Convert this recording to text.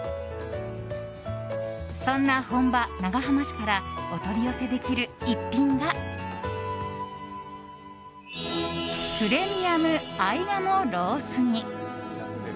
そんな本場・長浜市からお取り寄せできる逸品がプレミアム合鴨ロース煮。